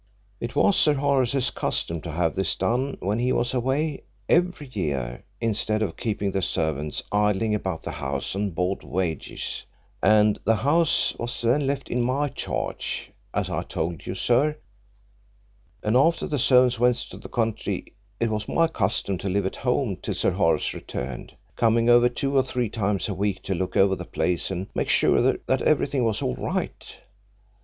"It was Sir Horace's custom to have this done when he was away every year instead of keeping the servants idling about the house on board wages, and the house was then left in my charge, as I told you, sir, and after the servants went to the country it was my custom to live at home till Sir Horace returned, coming over two or three times a week to look over the place and make sure that everything was all right.